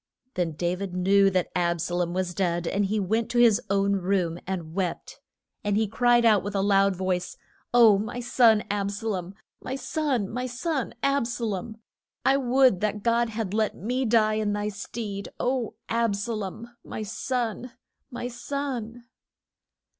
Then Da vid knew that Ab sa lom was dead, and he went to his own room and wept. And he cried out with a loud voice, O, my son, Ab sa lom; my son, my son Ab sa lom! I would that God had let me die in thy stead, O, Ab sa lom, my son, my son!